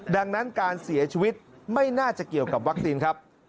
ดังนั้นการเสียชีวิตไม่น่าจะเกี่ยวกับวัคซีนครับ